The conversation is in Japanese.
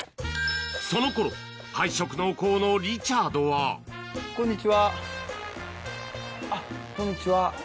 その頃敗色濃厚のリチャードはあっこんにちは。